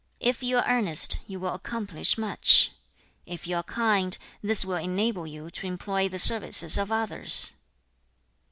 If you are earnest, you will accomplish much. If you are kind, this will enable you to employ the services of others.